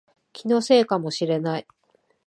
気のせいかもしれない